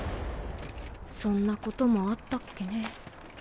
そんなこともあったっけね。